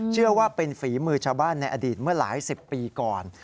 เชื่อว่าเป็นฝีมือชาวบ้านในอดีตเมื่อหลายสิบปีก่อน